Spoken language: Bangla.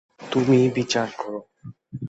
তুমিই বিচার করো।